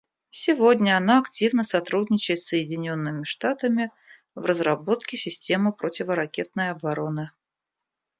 Сегодня она активно сотрудничает с Соединенными Штатами в разработке системы противоракетной обороны.